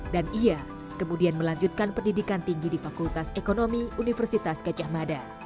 dan ia kemudian melanjutkan pendidikan tinggi di fakultas ekonomi universitas kejah mada